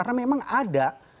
karena memang ada